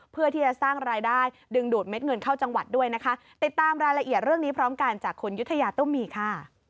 เพื่อที่จะสร้างรายได้ดึงดูดเม็ดเงินเข้าจังหวัดด้วยนะคะติดตามรายละเอียดเรื่องนี้พร้อมกันจากคุณยุธยาตุ้มมีค่ะ